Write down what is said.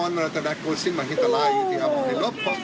รัวจริงอะไรจริง